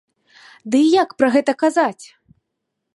Ды і як пра гэта казаць!?